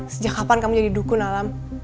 sejak kapan kamu jadi dukun alam